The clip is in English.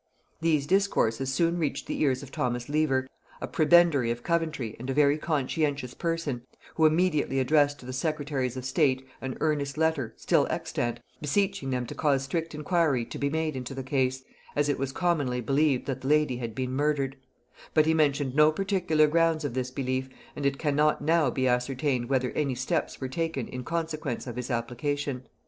These discourses soon reached the ears of Thomas Lever, a prebendary of Coventry and a very conscientious person, who immediately addressed to the secretaries of state an earnest letter, still extant, beseeching them to cause strict inquiry to be made into the case, as it was commonly believed that the lady had been murdered: but he mentioned no particular grounds of this belief, and it cannot now be ascertained whether any steps were taken in consequence of his application.